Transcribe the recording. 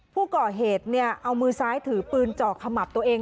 ผู้ก่อเหตุเอามือซ้ายถือปืนเจาะขมับตัวเอง